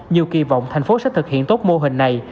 nhiều kỳ vọng thành phố sẽ thực hiện tốt mô hình này